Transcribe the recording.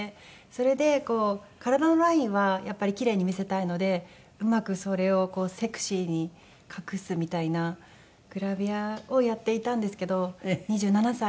それでこう体のラインはやっぱりキレイに見せたいのでうまくそれをセクシーに隠すみたいなグラビアをやっていたんですけど２７歳で。